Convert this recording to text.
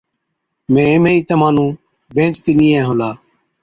مين اِمهين ئِي تمهان نُون بيهنچتِي ڏِيئَين هُلا۔